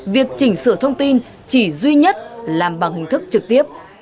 việc chỉnh sửa thông tin chỉ duy nhất làm bằng hình thức trực tiếp